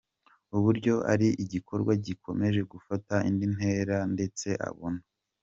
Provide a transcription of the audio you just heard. uburyo ari igikorwa gikomeje gufata indi ntera ndetse abona